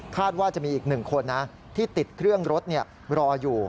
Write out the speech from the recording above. ว่าจะมีอีก๑คนที่ติดเครื่องรถรออยู่